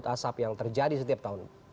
dan kekosongan yang terjadi setiap tahun